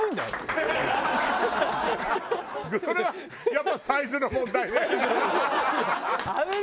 それはやっぱサイズの問題ね。